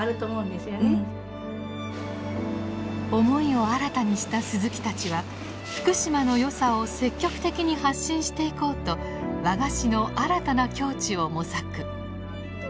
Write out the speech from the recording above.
思いを新たにした鈴木たちは福島のよさを積極的に発信していこうと和菓子の新たな境地を模索。